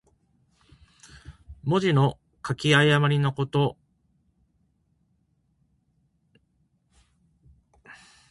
文字の書き誤りのこと。「譌」は誤りの意。「亥」と「豕」とが、字形が似ているので書き誤りやすいことから。